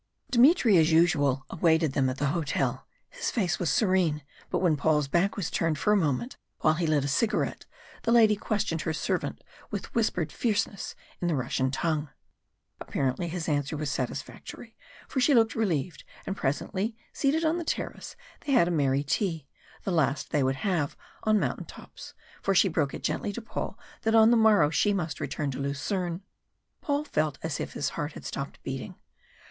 Dmitry as usual awaited them at the hotel; his face was serene, but when Paul's back was turned for a moment while he lit a cigarette, the lady questioned her servant with whispered fierceness in the Russian tongue. Apparently his answer was satisfactory, for she looked relieved, and presently, seated on the terrace, they had a merry tea the last they would have on mountain tops, for she broke it gently to Paul that on the morrow she must return to Lucerne. Paul felt as if his heart had stopped beating.